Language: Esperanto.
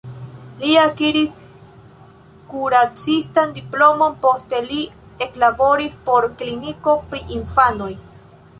Li akiris kuracistan diplomon, poste li eklaboris en kliniko pri infanoj.